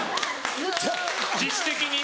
自主的に？